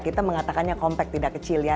kita mengatakannya compact tidak kecil ya